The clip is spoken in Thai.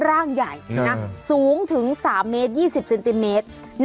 โอ้โห